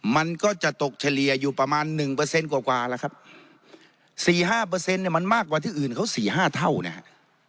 มันก็จะตกเฉลี่ยอยู่ประมาณหนึ่งเปอร์เซ็นต์กว่าแล้วครับสี่ห้าเปอร์เซ็นต์เนี่ยมันมากกว่าที่อื่นเขาสี่ห้าเท่านะฮะ